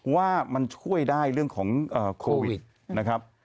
ว่ามันช่วยได้เรื่องของโควิดนะครับ